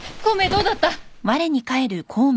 どうだった？